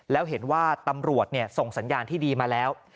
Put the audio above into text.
แล้วเห็นว่าตำรวจส่งสัญญาณที่ดีมาแล้ว